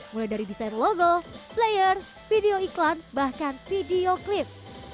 mulai dari desain logo player video iklan bahkan video klip